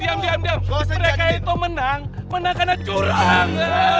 hei diam diam mereka itu menang menang karena curang